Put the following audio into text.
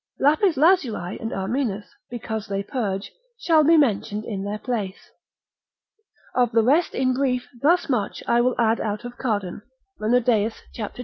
Lapis lazuli and armenus, because they purge, shall be mentioned in their place. Of the rest in brief thus much I will add out of Cardan, Renodeus, cap. 23.